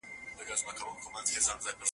که ته په املا کي هره جمله په ځیر سره ولیکې.